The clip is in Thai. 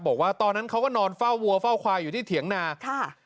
บอกว่าตอนนั้นเขาก็นอนเฝ้าวัวเฝ้าควายอยู่ที่เถียงนาค่ะ